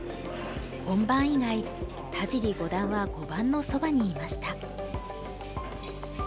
本番以外田尻五段は碁盤のそばにいました。